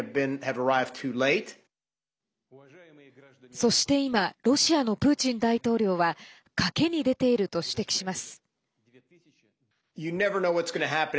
そして、今ロシアのプーチン大統領は賭けに出ていると指摘します。